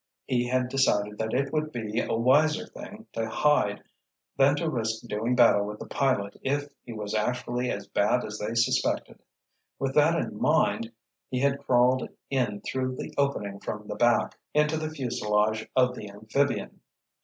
He had decided that it would be a wiser thing to hide than to risk doing battle with the pilot if he was actually as bad as they suspected; with that in mind he had crawled in through the opening from the back, into the fuselage of the amphibian.